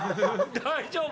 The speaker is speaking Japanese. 大丈夫？